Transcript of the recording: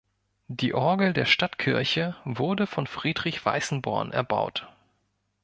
Die Orgel der Stadtkirche wurde von Friedrich Weißenborn erbaut.